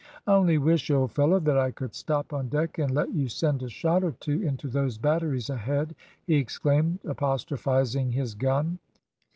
"I only wish, old fellow, that I could stop on deck and let you send a shot or two into those batteries ahead," he exclaimed, apostrophising his gun.